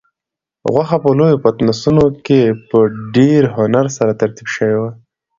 غوښه په لویو پتنوسونو کې په ډېر هنر سره ترتیب شوې وه.